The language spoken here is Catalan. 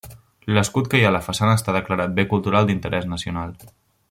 L'escut que hi ha a la façana està declarat bé cultural d'interès nacional.